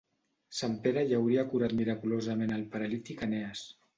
Sant Pere hi hauria curat miraculosament al paralític Enees.